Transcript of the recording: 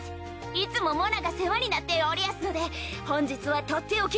いつもモナが世話になっておりやすので本日はとっておき